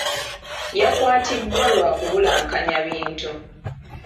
Yakwatibwa lwa kubulankanya bintu.